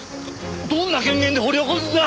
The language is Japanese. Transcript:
どんな権限で掘り起こすんだ！